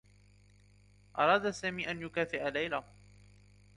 أراد سامي أن يكافئ ليلى.